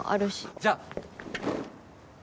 じゃあ。